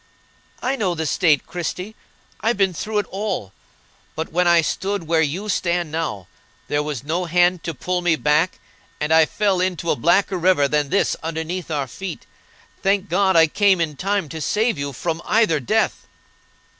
"I know the state, Christie: I've been through it all! but when I stood where you stand now, there was no hand to pull me back, and I fell into a blacker river than this underneath our feet. Thank God, I came in time to save you from either death!"